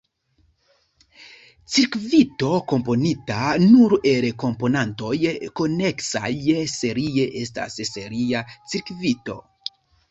Cirkvito komponita nur el komponantoj koneksaj serie estas seria cirkvito.